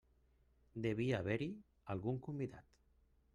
Devia haver-hi algun convidat.